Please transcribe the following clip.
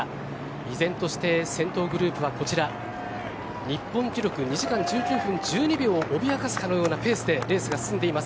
依然として先頭グループはこちら日本記録２時間１９分１２秒を脅かすかのようなペースでレースが進んでいます。